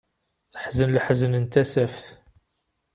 Teḥzen leḥzen n tasaft.